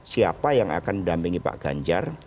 siapa yang akan mendampingi pak ganjar